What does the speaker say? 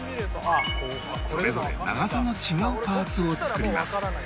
それぞれ長さの違うパーツを作ります